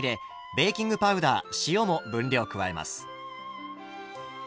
ベーキングパウダー塩も分量加えます。